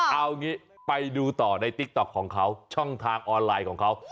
เอางี้ไปดูต่อในติ๊กต๊อกของเขาช่องทางออนไลน์ของเขา